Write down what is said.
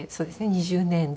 ２０年弱。